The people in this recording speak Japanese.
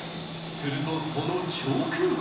すると、その直後。